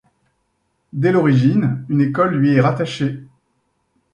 Dès l'origine, une école lui est rattachée.